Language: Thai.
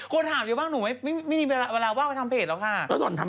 คนถามเยอะมากหนูไม่มีเวลาว่างไปทำเพจหรอกค่ะ